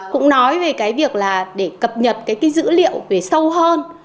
cũng nói về cái việc là để cập nhật cái dữ liệu về sâu hơn